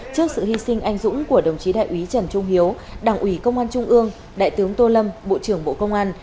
trước sự hy sinh anh dũng của đồng chí đại úy trần trung hiếu đảng ủy công an trung ương đại tướng tô lâm bộ trưởng bộ công an